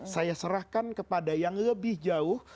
saya serahkan kepada yang lebih jauh